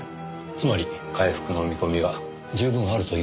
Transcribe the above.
つまり回復の見込みは十分あるという事ですね？